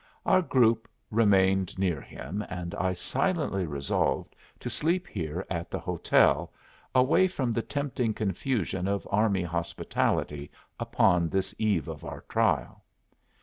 Our group remained near him, and I silently resolved to sleep here at the hotel, away from the tempting confusion of army hospitality upon this eve of our trial.